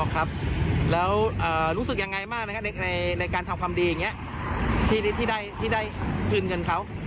ครับแล้วรู้สึกยังไงบ้างนะครับในการทำความดีอย่างนี้ที่ได้คืนเงินเขา